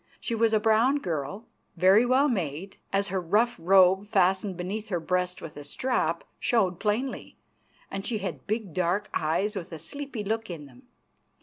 She was a brown girl, very well made, as her rough robe, fastened beneath her breast with a strap, showed plainly, and she had big dark eyes with a sleepy look in them.